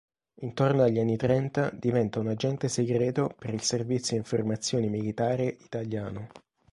Intorno agli anni trenta diventa un agente segreto per il Servizio Informazioni Militare italiano.